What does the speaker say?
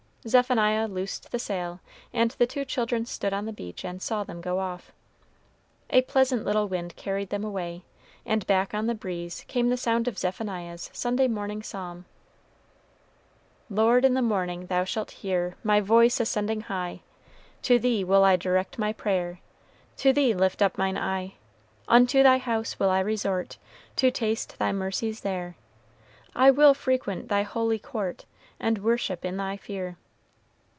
Zephaniah loosed the sail, and the two children stood on the beach and saw them go off. A pleasant little wind carried them away, and back on the breeze came the sound of Zephaniah's Sunday morning psalm: "Lord, in the morning thou shalt hear My voice ascending high; To thee will I direct my prayer, To thee lift up mine eye. "Unto thy house will I resort. To taste thy mercies there; I will frequent thy holy court, And worship in thy fear."